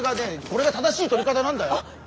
これが正しいとり方なんだよ。